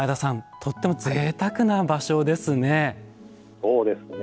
とってもぜいたくな場所ですね。